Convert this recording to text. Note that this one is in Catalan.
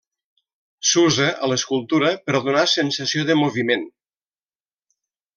S'usa a l'escultura per donar sensació de moviment.